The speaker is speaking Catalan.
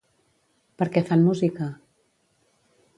Per què fan música?